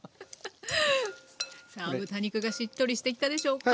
さあ豚肉がしっとりしてきたでしょうか？